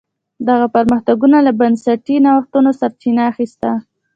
دغه پرمختګونو له بنسټي نوښتونو سرچینه اخیسته.